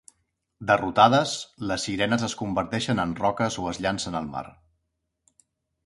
Derrotades, les sirenes es converteixen en roques o es llancen al mar.